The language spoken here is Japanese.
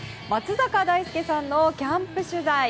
松坂大輔さんのキャンプ取材。